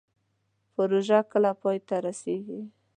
پروژه کله پای ته رسیږي؟